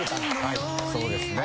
はいそうですね。